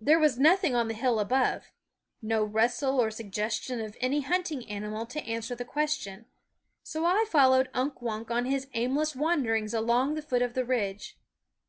There was nothing on the hill above, no rustle or suggestion of any hunting animal to answer the question; so I followed Unk Wunk on his aimless wanderings along the foot of the ridge.